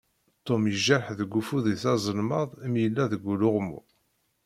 Tom yejreḥ deg ufud-is azelmaḍ mi yella deg uluɣmu.